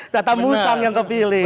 tata musang yang kepilih